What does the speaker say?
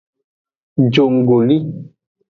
Jonggoli.